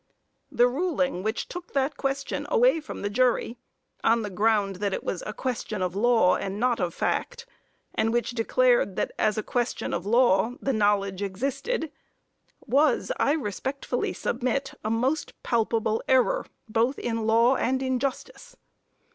The ruling which took that question away from the jury, on the ground that it was a question of law and not of fact, and which declared that as a question of law, the knowledge existed, was, I respectfully submit, a most palpable error, both in law and justice.